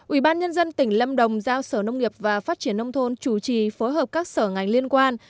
ủy ban nhân dân tỉnh lâm đồng giao sở nông nghiệp và phát triển nông thôn chủ trì phối hợp các sở ngành liên quan